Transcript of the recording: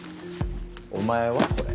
お前はこれ。